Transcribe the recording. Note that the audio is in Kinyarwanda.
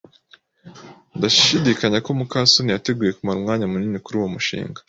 Ndashidikanya ko muka soni yateguye kumara umwanya munini kuri uwo mushinga.